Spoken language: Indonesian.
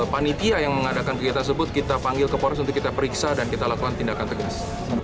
panitia yang mengadakan kegiatan tersebut kita panggil ke polres untuk kita periksa dan kita lakukan tindakan tegas